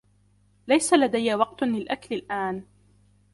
ليس لدي وقت للاكل الان.